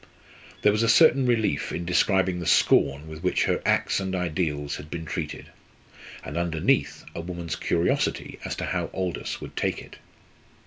There was a certain relief in describing the scorn with which her acts and ideals had been treated; and, underneath, a woman's curiosity as to how Aldous would take it.